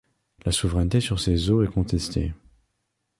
La souveraineté sur ces eaux est contestée.